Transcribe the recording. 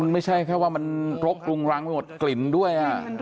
ไม่ใช่แค่ว่ามันรกรุงรังไปหมดกลิ่นด้วย